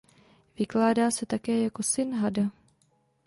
Vykládá se také jako "syn hada".